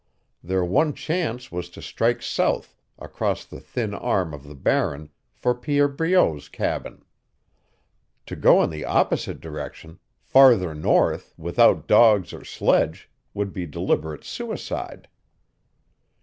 Their one chance was to strike south across the thin arm of the Barren for Pierre Breault's cabin. To go in the opposite direction farther north without dogs or sledge would be deliberate suicide.